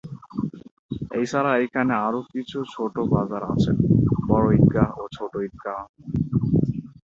এই ছাড়া এইখানে আরো কিছু ছোট বাজার আছে। বড় ঈদগাহ ও ছোট ঈদগাময়দান।